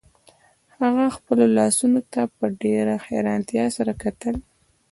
هغه خپلو لاسونو ته په ډیره حیرانتیا سره کتل